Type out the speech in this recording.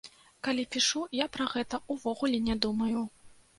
Калі пішу, я пра гэта ўвогуле не думаю.